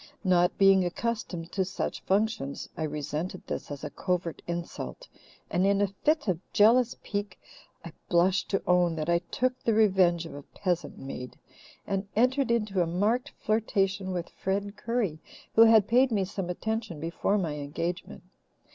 Not being accustomed to such functions, I resented this as a covert insult and, in a fit of jealous pique, I blush to own that I took the revenge of a peasant maid and entered into a marked flirtation with Fred Currie, who had paid me some attention before my engagement.